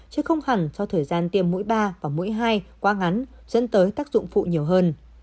chứ không hẳn do thời gian tiêm mũi ba và mũi hai quá ngắn dẫn tới tác dụng phụ nhiều hơn